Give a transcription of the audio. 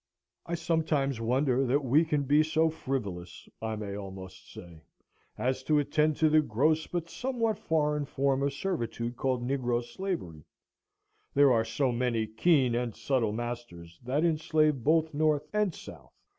I sometimes wonder that we can be so frivolous, I may almost say, as to attend to the gross but somewhat foreign form of servitude called Negro Slavery, there are so many keen and subtle masters that enslave both north and south.